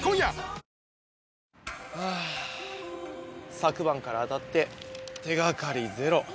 昨晩からあたって手がかりゼロ。